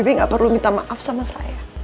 tapi gak perlu minta maaf sama saya